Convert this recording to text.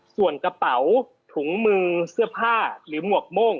ส่วนกระเป๋าถุงมือเสื้อผ้าหรือหมวกโม่ง